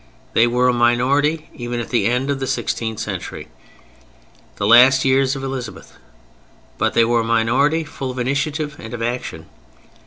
They were a minority even at the end of the sixteenth century, the last years of Elizabeth, but they were a minority full of initiative and of action.